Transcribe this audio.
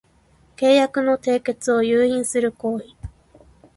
契約の締結を誘引する行為